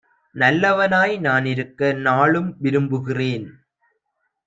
நல்லவனாய் நானிருக்க நாளும் விரும்புகிறேன்."